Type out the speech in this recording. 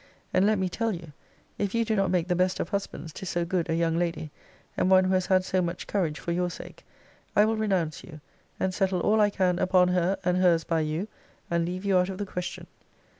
And, let me tell you, if you do not make the best of husbands to so good a young lady, and one who has had so much courage for your sake, I will renounce you; and settle all I can upon her and her's by you, and leave you out of the question.